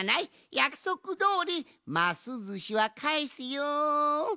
やくそくどおりますずしはかえすよん。